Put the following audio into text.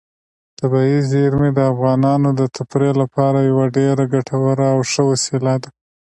طبیعي زیرمې د افغانانو د تفریح لپاره یوه ډېره ګټوره او ښه وسیله ده.